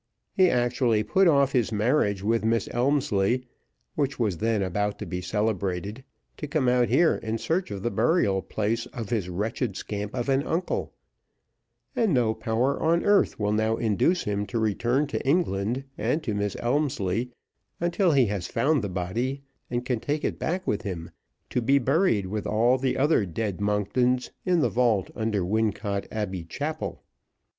He actually put off his marriage with Miss Elmslie, which was then about to be celebrated, to come out here in search of the burial place of his wretched scamp of an uncle; and no power on earth will now induce him to return to England and to Miss Elmslie until he has found the body, and can take it back with him, to be buried with all the other dead Monktons in the vault under Wincot Abbey Chapel.